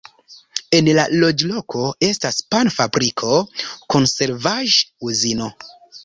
En la loĝloko estas pan-fabriko, konservaĵ-uzino.